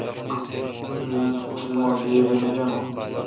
مہ گیبی نہ جانون